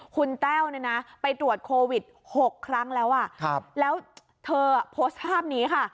คุณแต้วเนี่ยนะไปตรวจโควิด๖ครั้งแล้วแล้วเธอโพสต์ภาพนี้ค่ะ